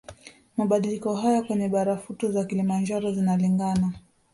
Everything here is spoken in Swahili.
Mabadiliko haya kwenye barafuto za Kilimanjaro zinalingana